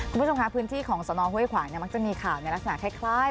คุณผู้ชมค่ะพื้นที่ของสนห้วยขวางมักจะมีข่าวในลักษณะคล้าย